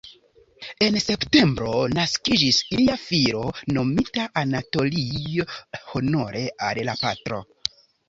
En septembro naskiĝis ilia filo nomita Anatolij, honore al la patro.